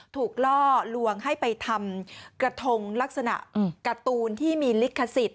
ล่อลวงให้ไปทำกระทงลักษณะการ์ตูนที่มีลิขสิทธิ